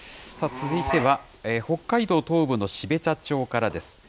続いては、北海道東部の標茶町からです。